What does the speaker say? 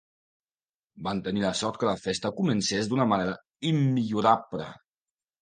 Van tenir la sort que la festa comencés d'una manera immillorable.